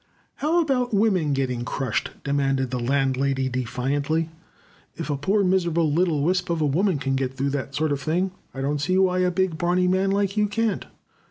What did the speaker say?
"How about women getting crushed?" demanded the Landlady defiantly. "If a poor miserable little wisp of a woman can go through that sort of thing, I don't see why a big, brawny man like you can't."